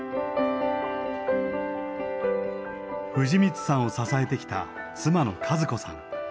藤満さんを支えてきた妻の和子さん。